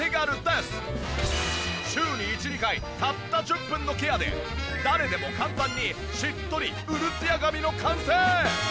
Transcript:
週に１２回たった１０分のケアで誰でも簡単にしっとりウルツヤ髪の完成！